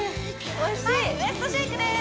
はいウエストシェイクです